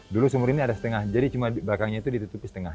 dulu sumur ini ada setengah jadi cuma belakangnya itu ditutupi setengah